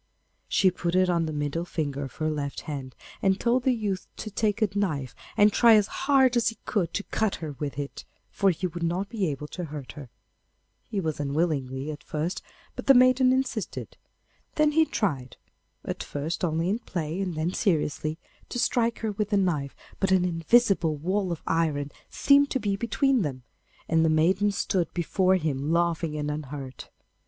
She put it on the middle finger of her left hand, and told the youth to take a knife and try as hard as he could to cut her with it, for he would not be able to hurt her. He was unwilling at first, but the maiden insisted. Then he tried, at first only in play, and then seriously, to strike her with the knife, but an invisible wall of iron seemed to be between them, and the maiden stood before him laughing and unhurt.